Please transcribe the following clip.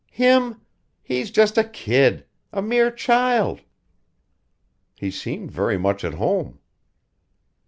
"Him? He's just a kid. A mere child!" "He seemed very much at home."